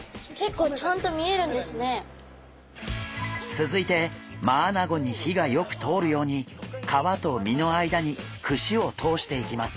続いてマアナゴに火がよく通るように皮と身の間に串を通していきます。